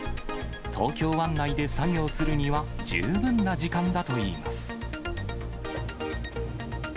東京湾内で作業するには十分な時間だといいます。